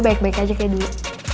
baik baik aja kayak dulu